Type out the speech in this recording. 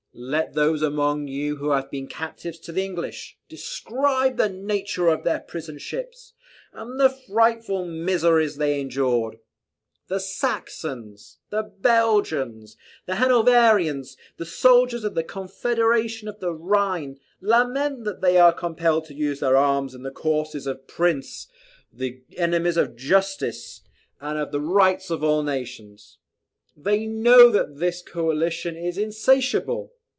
"Let those among you who have been captives to the English, describe the nature of their prison ships, and the frightful miseries they endured. "The Saxons, the Belgians, the Hanoverians, the soldiers of the Confederation of the Rhine, lament that they are compelled to use their arms in the cause of princes, the enemies of justice and of the rights of all nations. They know that this coalition is insatiable!